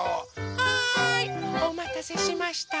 はいおまたせしました。